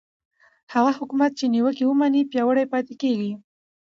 هغه حکومت چې نیوکه ومني پیاوړی پاتې کېږي